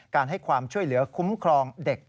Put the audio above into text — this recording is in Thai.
ให้ความช่วยเหลือคุ้มครองเด็ก